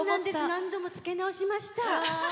何度もつけ直しました。